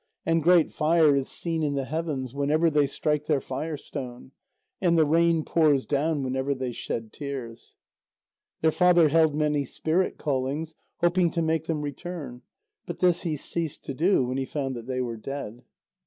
And great fire is seen in the heavens whenever they strike their fire stone, and the rain pours down whenever they shed tears. Their father held many spirit callings, hoping to make them return. But this he ceased to do when he found that they were dead.